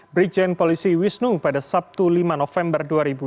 brigjen polisi wisnu pada sabtu lima november dua ribu dua puluh